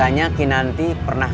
katanya kenanti pernah